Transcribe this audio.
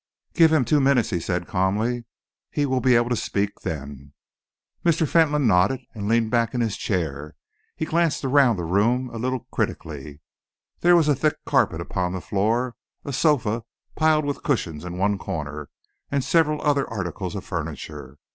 "Give him two minutes," he said calmly. "He will be able to speak then." Mr. Fentolin nodded and leaned back in his chair. He glanced around the room a little critically. There was a thick carpet upon the floor, a sofa piled with cushions in one corner, and several other articles of furniture.